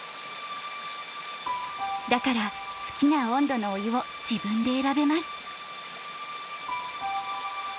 だから好きな温度のお湯を自分で選べます。